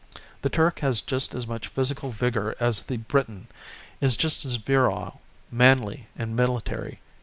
The Turk has just as much physical vigour as the Briton, is just as virile, manly and military.